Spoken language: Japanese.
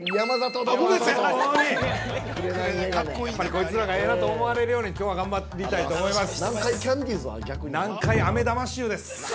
◆こいつらがええなと思われるように、きょうは頑張っていきたいと思います。